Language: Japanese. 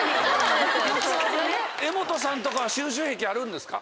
柄本さんとかは収集癖あるんですか？